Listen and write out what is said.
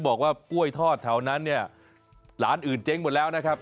บอกว่ากล้วยทอดแถวนั้นเนี่ยร้านอื่นเจ๊งหมดแล้วนะครับ